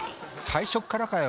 最初っからかよ